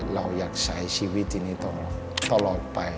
เราอยากใช้ชีวิตที่นี่ต่อตลอดไป